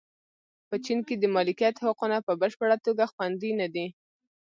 په چین کې د مالکیت حقونه په بشپړه توګه خوندي نه دي.